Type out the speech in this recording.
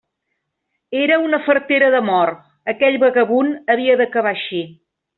Era una fartera de mort: aquell vagabund havia d'acabar així.